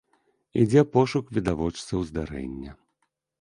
Ідзе пошук відавочцаў здарэння.